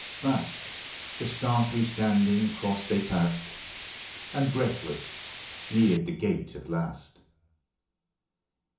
Fast The starkly standing cross they passed. And, breathless, neared the gate at last.